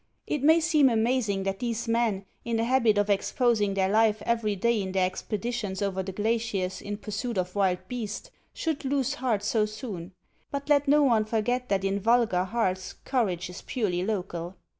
It may seem amazing that these men, in the habit of exposing their life every day in their expeditions over the glaciers in pursuit of wild beasts, should lose heart so soon ; but let no one forget that in vulgar hearts courage is purely local.